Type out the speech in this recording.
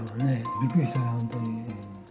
びっくりした、本当に。